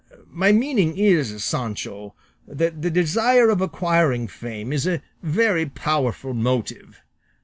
My meaning is, Sancho, that the desire of acquiring fame is a very powerful motive.